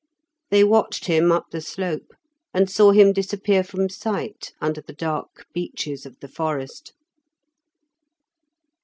They watched him up the slope, and saw him disappear from sight under the dark beeches of the forest.